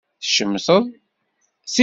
Tcemteḍ